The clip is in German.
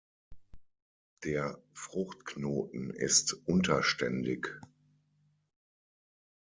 Der Fruchtknoten ist unterständig.